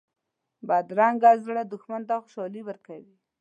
بدرنګه زړه دښمن ته خوشحالي ورکوي